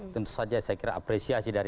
tentu saja saya kira apresiasi dari